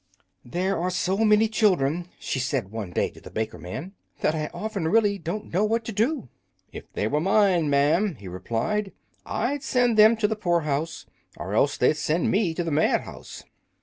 "There are so many children," she said one day to the baker man, "that I often really don't know what to do!" "If they were mine, ma'am," he replied, "I'd send them to the poor house, or else they'd send me to the mad house."